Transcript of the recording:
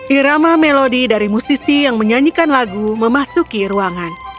irama melodi dari musisi yang menyanyikan lagu memasuki ruangan